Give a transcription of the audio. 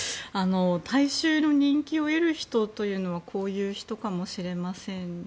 大衆の人気を得る人というのはこういう人かもしれませんね。